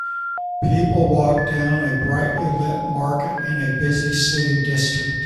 People walk down a brightly lit market in a busy city district